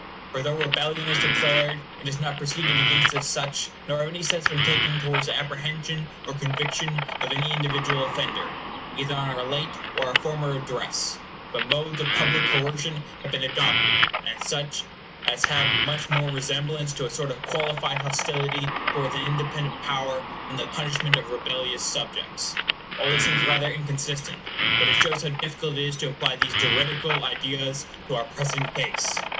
For though rebellion is declared, it is not proceeded against as such, nor have any steps been taken towards the apprehension or conviction of any individual offender, either on our late or our former Address; but modes of public coercion have been adopted, and such as have much more resemblance to a sort of qualified hostility towards an independent power than the punishment of rebellious subjects. All this seems rather inconsistent; but it shows how difficult it is to apply these juridical ideas to our present case.